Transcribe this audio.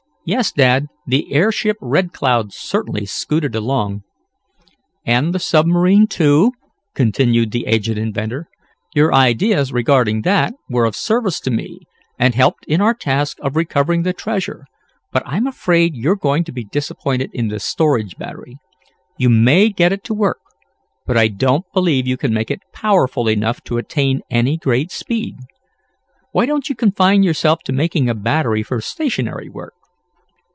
Yes, Dad, the airship Red Cloud certainly scooted along." "And the submarine, too," continued the aged inventor. "Your ideas regarding that were of service to me, and helped in our task of recovering the treasure, but I'm afraid you're going to be disappointed in the storage battery. You may get it to work, but I don't believe you can make it powerful enough to attain any great speed. Why don't you confine yourself to making a battery for stationary work?"